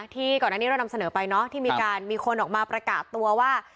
ก่อนอันนี้เรานำเสนอไปเนาะที่มีการมีคนออกมาประกาศตัวว่า